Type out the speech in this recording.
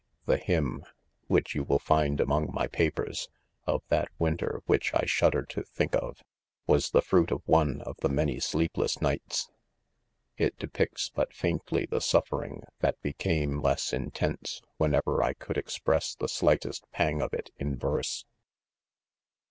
* The hymn ? which you will find among my papers, of that winter which I shudder to think , of, was the fruit of onepi'^any sleepless 'nights It depicts but faintly, the suffering that became less intense whenever I could express the'' slightest pang of il in verse.